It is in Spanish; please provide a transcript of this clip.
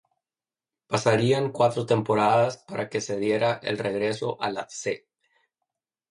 Pasarían cuatro temporadas para que se diera el regreso a la "C".